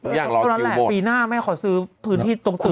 เท่านั้นแหละปีหน้าแม่ขอซื้อพื้นที่ตรงจุด